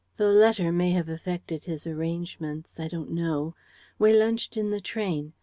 The letter may have affected his arrangements; I don't know. We lunched in the train.